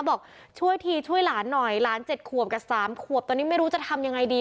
บอกช่วยทีช่วยหลานหน่อยหลาน๗ขวบกับ๓ขวบตอนนี้ไม่รู้จะทำยังไงดี